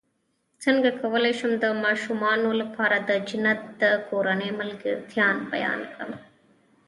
څنګه کولی شم د ماشومانو لپاره د جنت د کورنۍ ملګرتیا بیان کړم